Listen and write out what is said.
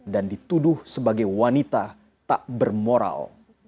dan dituduh sebagai wanita tak bermoral